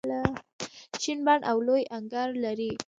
شین بڼ او لوی انګړ لري.